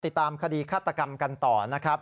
ติดตามคดีฆาตกรรมกันต่อนะครับ